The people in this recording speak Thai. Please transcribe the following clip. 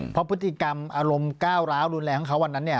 เพราะพฤติกรรมอารมณ์ก้าวร้าวรุนแรงของเขาวันนั้นเนี่ย